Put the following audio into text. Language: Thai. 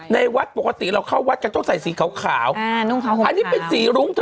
ในวัดปกติเราเข้าวัดก็ต้องใส่สีขาวขาวอ่านุ่งขาวหกขาวอันนี้เป็นสีรุ้ง